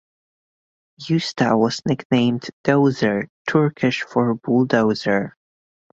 Usta was nicknamed "Dozer" (Turkish for bulldozer).